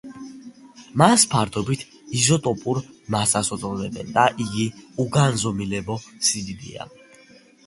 მას ფარდობით იზოტოპურ მასას უწოდებენ და იგი უგანზომილებო სიდიდეა.